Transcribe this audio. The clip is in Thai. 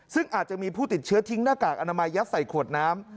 ซึ่งอาจจะมีผู้ติดเชื้อทิ้งหน้ากากอนามัยยัดใส่ขวดน้ำ